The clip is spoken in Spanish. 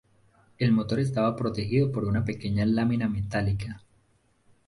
El motor estaba protegido por una pequeña lámina metálica.